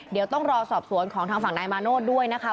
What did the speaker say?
เดี๋ยวต้องรอสอบสวนของทางฝั่งนายมาโนธด้วยนะคะ